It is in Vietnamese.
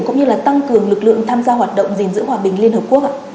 cũng như là tăng cường lực lượng tham gia hoạt động dình dữ hòa bình liên hợp quốc ạ